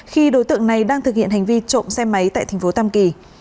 khi đối tượng này đang thực hiện hành vi trộm xe máy tại thành phố tam kỳ